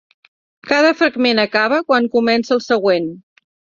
Cada fragment acaba quan comença el següent.